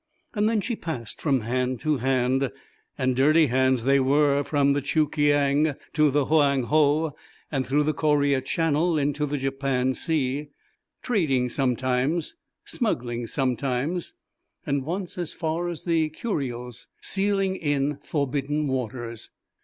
Then she passed from hand to hand, and dirty hands they were, from the Chu Kiang to the Hoang Ho, and through the Korea Channel into the Japan sea, trading sometimes, smuggling sometimes, and once, as far as the Kuriles, sealing in forbidden waters.